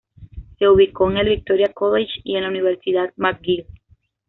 Se educó en el Victoria College y en la Universidad McGill.